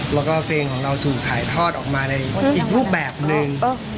แล้วก็เพลงของเราถูกถ่ายทอดออกมาในอีกรูปแบบหนึ่ง